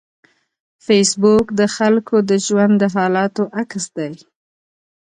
فېسبوک د خلکو د ژوند د حالاتو عکس دی